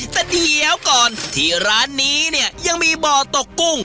แต่เดี๋ยวก่อนที่ร้านนี้เนี่ยยังมีบ่อตกกุ้ง